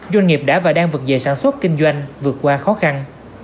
doanh nghiệp đã và đang vượt về sản xuất kinh doanh vượt qua khó khăn